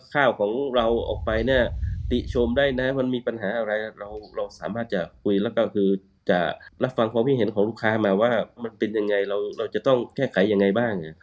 ข้าวของเราออกไปเนี่ยติชมได้นะมันมีปัญหาอะไรเราสามารถจะคุยแล้วก็คือจะรับฟังความคิดเห็นของลูกค้ามาว่ามันเป็นยังไงเราจะต้องแก้ไขยังไงบ้าง